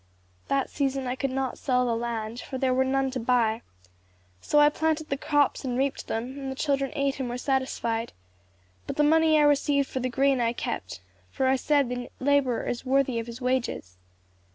"That season I could not sell the land, for there were none to buy; so I planted the crops and reaped them, and the children ate and were satisfied; but the money I received for the grain I kept, for I said the laborer is worthy of his wages.